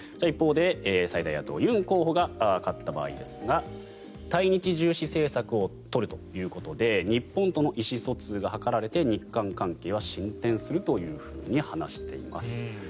一方で最大野党、ユン候補が勝った場合ですが対日重視政策を取るということで日本との意思疎通が図られて日韓関係は進展するというふうに話しています。